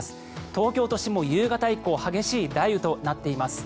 東京都心も夕方以降激しい雷雨となっています。